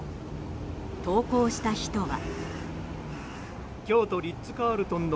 投稿した人は。